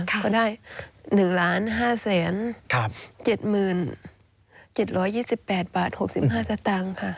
ก็ได้๑๐๕๐๗๐๗๒๘บาท๖๕ซากตังค่ะ